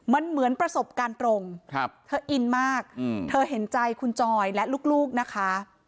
มันเหมือนประสบการณ์ตรงเธออินมากเธอเห็นใจคุณจอยและลูกนะคะ